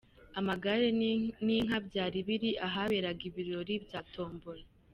Amagare n'inka byari biri ahaberaga ibirori bya Tombola .